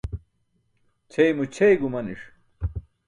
Ćʰeymo ćʰey gumaniṣ.